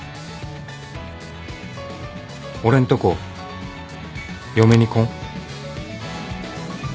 俺んとこ嫁に来ん？